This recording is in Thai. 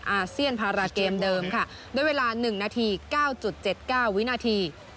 อาเซียนพาราเกมเดิมค่ะด้วยเวลา๑นาที๙๗๙วินาที